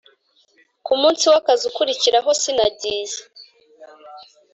ku munsi w akazi ukurikiraho sinagiye